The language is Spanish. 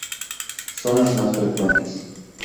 Son las más frecuentes.